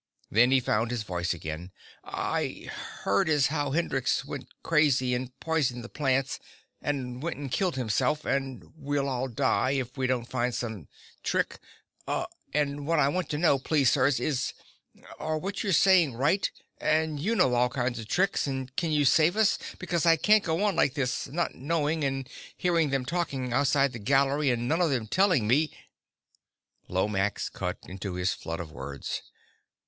Then he found his voice again. "I heard as how Hendrix went crazy and poisoned the plants and went and killed himself and we'll all die if we don't find some trick, and what I want to know, please, sirs, is are what they're saying right and you know all kinds of tricks and can you save us because I can't go on like this not knowing and hearing them talking outside the galley and none of them telling me " Lomax cut into his flood of words.